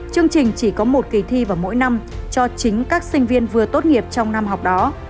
chương trình chỉ có một kỳ thi vào mỗi năm cho chính các sinh viên vừa tốt nghiệp trong năm học đó